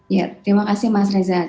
ya terima kasih mas reza